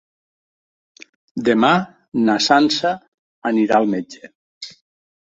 Demà na Sança anirà al metge.